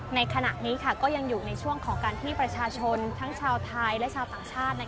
ในขณะนี้ก็ยังอยู่ในช่วงของการที่ประชาชนทั้งชาวไทยและชาวต่างชาติ